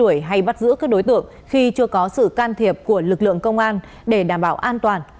truy đuổi hay bắt giữ các đối tượng khi chưa có sự can thiệp của lực lượng công an để đảm bảo an toàn